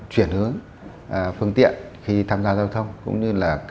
chuyển hướng phương tiện khi tham gia giao thông cũng như là